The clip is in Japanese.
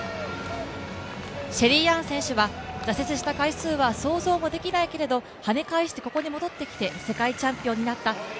シェリーアン選手は挫折した回数は想像もできないけれども、はね返してここに戻ってきて世界チャンピオンになった。